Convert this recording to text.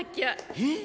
えっ。